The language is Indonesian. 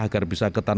agar bisa ketahuan